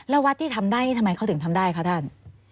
แล้ววัดที่ทำได้นี่ทำไมเขาถึงทำได้คะท่าน